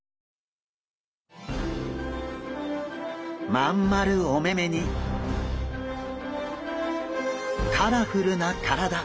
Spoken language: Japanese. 真ん丸お目々にカラフルな体。